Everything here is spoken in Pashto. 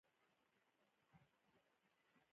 وخت باید ضایع نشي